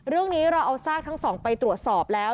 เรื่องนี้เราเอาซากทั้งสองไปตรวจสอบแล้ว